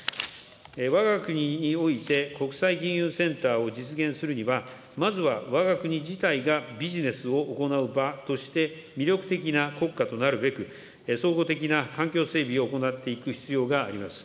わが国において、国際金融センターを実現するには、まずはわが国自体がビジネスを行う場として魅力的な国家となるべく、総合的な環境整備を行っていく必要があります。